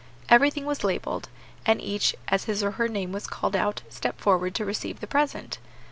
Everything was labelled, and each, as his or her name was called out, stepped forward to receive the present.